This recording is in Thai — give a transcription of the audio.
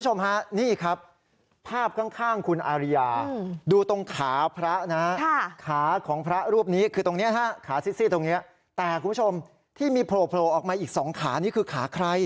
คุณผู้ชมฮะนี่ครับภาพข้างคุณอาริยาดูตรงขาพระนะขาของพระรูปนี้คือตรงนี้ฮะขาซิดซี่ตรงนี้แต่คุณผู้ชมที่มีโผล่ออกมาอีกสองขานี่คือขาใคร